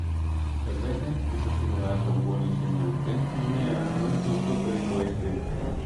Sebbene fu considerato un buon insegnante, non era conosciuto per i suoi scritti.